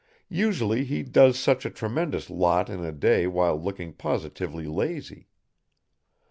Usually he does such a tremendous lot in a day while looking positively lazy.